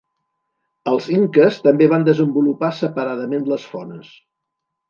Els inques també van desenvolupar separadament les fones.